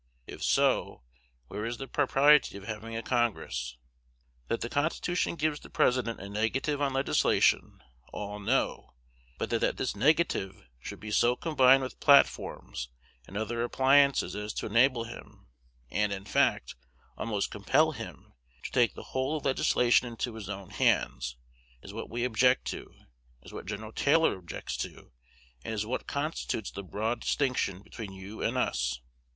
If so, where is the propriety of having a Congress? That the Constitution gives the President a negative on legislation, all know; but that this negative should be so combined with platforms and other appliances as to enable him, and, in fact, almost compel him, to take the whole of legislation into his own hands, is what we object to, is what Gen. Taylor objects to, and is what constitutes the broad distinction between you and us.